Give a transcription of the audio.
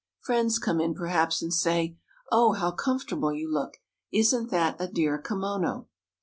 Friends come in, perhaps, and say: "Oh, how comfortable you look! Isn't that a dear kimono?"